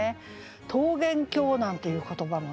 「桃源郷」なんていう言葉もね